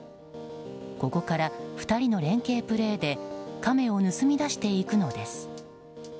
ここから２人の連係プレーでカメを盗み出していくのです。